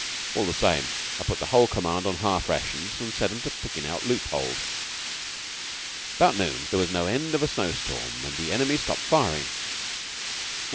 All the same, I put the whole command on half rations, and set 'em to pickin' out loopholes. "About noon there was no end of a snow storm, and the enemy stopped firing.